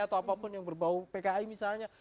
atau apapun yang berbau pki misalnya